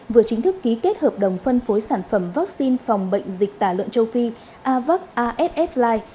vừa chính thức ký kết hợp đồng phân phối sản phẩm vaccine phòng bệnh dịch tài lợn châu phi avac asf li